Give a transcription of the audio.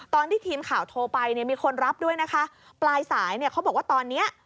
ตอนที่ทีมข่าวโทรไปเนี่ยมีคนรับด้วยนะคะปลายสายเนี่ยเขาบอกว่าตอนเนี้ย